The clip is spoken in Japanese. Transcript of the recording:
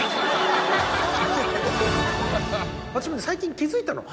私最近気付いたの。